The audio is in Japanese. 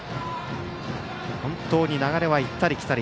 本当に流れは行ったり来たり。